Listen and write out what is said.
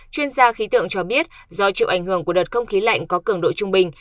chuyên gia khí tượng cho biết do chịu ảnh hưởng của đợt không khí lạnh có cường độ trung bình